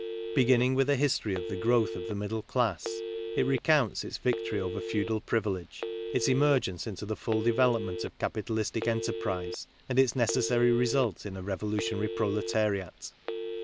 Be ginning with a history of the growth of the middle class, it recounts its victory over feudal privilege, its emer gence into the full development of capitalistic enterprise, and its necessary result in a revolutionary proletariat.